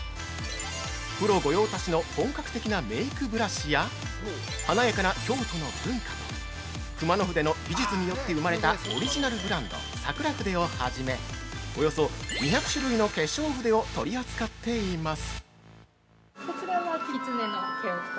プロ御用達の本格的なメイクブラシや華やかな京都の文化と熊野筆の技術によって生まれたオリジナルブランド「さくら筆」を初め、およそ２００種類の化粧筆を取り扱っています。